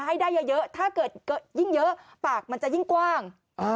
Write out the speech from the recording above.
ให้ได้เยอะถ้าเกิดยิ่งเยอะปากมันจะยิ่งกว้าง